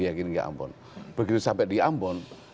yakin ke ambon begitu sampai di ambon